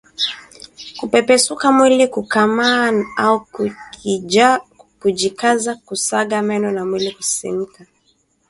Kupepesuka mwili kukakamaa au kujikaza kusaga meno na mwili kusisimka